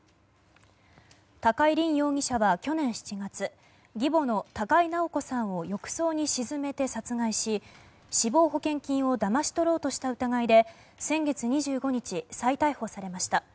高井凜容疑者は去年７月義母の高井直子さんを浴槽に沈めて殺害し死亡保険金をだまし取ろうとした疑いで先月２５日、再逮捕されました。